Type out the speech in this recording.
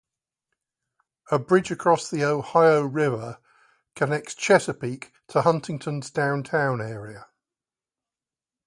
A bridge across the Ohio River connects Chesapeake to Huntington's downtown area.